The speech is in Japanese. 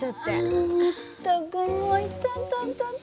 あまったくもう痛たたた。